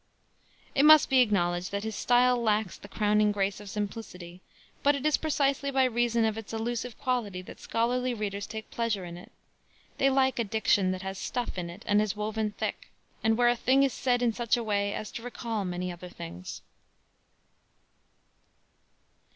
It must be acknowledged that his style lacks the crowning grace of simplicity, but it is precisely by reason of its allusive quality that scholarly readers take pleasure in it. They like a diction that has stuff in it and is woven thick, and where a thing is said in such a way as to recall many other things.